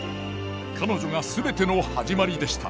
彼女が全ての「始まり」でした。